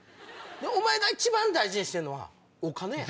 お前が一番大事にしてんのはお金やん。